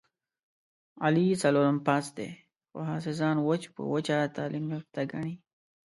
علي څلورم پاس دی، خو هسې ځان وچ په وچه تعلیم یافته ګڼي...